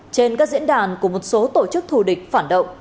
trên các diễn đàn của một số tổ chức thù địch phản động